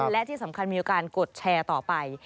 และที่สำคัญมีโอกาสกดแชร์ต่อไป